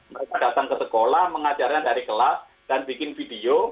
mereka datang ke sekolah mengajarnya dari kelas dan bikin video